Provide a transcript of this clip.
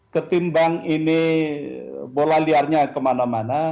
ketimbang ini bola liarnya kemana mana